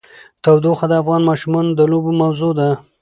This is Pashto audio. تودوخه د افغان ماشومانو د لوبو موضوع ده.